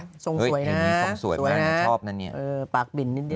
ส่งสวยนะส่งสวยมากชอบนะเนี่ยเออปากบินนิดนิด